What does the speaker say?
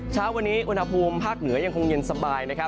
เช้าวันนี้อุณหภูมิภาคเหนือยังคงเย็นสบายนะครับ